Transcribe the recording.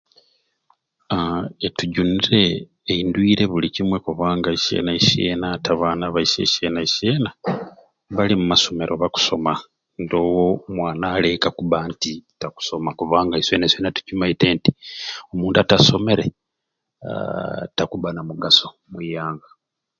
Haa etugunire endwire buli kimwei kubanga isyena isyena bali omu masomero bakusoma ndowo mwana ali ekka kuba nti takusoma kubanga isyena isyena tukimaite nti omuntu atasomere haa takuba na mugaso omwiyanga